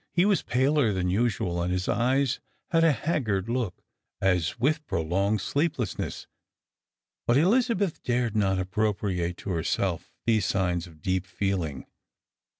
He was paler than usual, and his eyes had a haggard look, as with prolonged sleeplessness. But Elizabeth dared not appropriate to herself these signs of deep feeling.